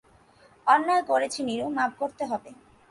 অন্যায় করেছি নীরু, মাপ করতে হবে।